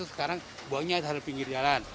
sekarang buangnya di pinggir jalan